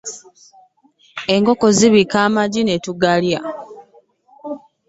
Enkoko ebiika amaggi ne tugalya.